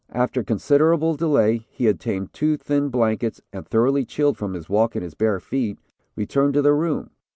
After considerable delay, he obtained two thin blankets, and thoroughly chilled from his walk in his bare feet, returned to the room.